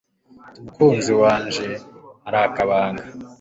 itimukunzi wanje hari akabanga